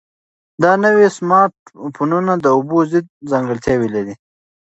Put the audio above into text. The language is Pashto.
دا نوي سمارټ فونونه د اوبو ضد ځانګړتیاوې لري.